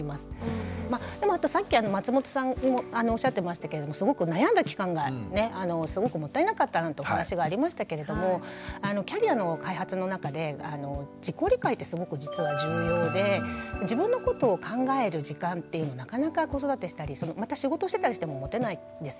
でもさっき松本さんもおっしゃってましたけれども「悩んだ期間がすごくもったいなかった」なんてお話がありましたけれどもキャリアの開発の中で自己理解ってすごく実は重要で自分のことを考える時間っていうのなかなか子育てしたりまた仕事してたりしても持てないんですよね。